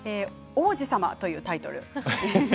王子様というタイトルです。